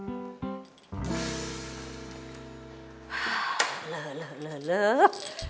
leluh leluh leluh